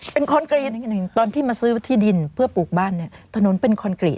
เป็นคอนกรีตหนึ่งตอนที่มาซื้อที่ดินเพื่อปลูกบ้านเนี่ยถนนเป็นคอนกรีต